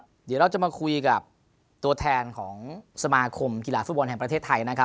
เดี๋ยวเราจะมาคุยกับตัวแทนของสมาคมกีฬาฟุตบอลแห่งประเทศไทยนะครับ